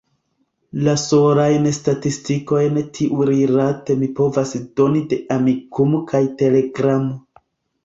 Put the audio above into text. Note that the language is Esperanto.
La solajn statistikojn tiurilate mi povas doni de Amikumu kaj Telegramo.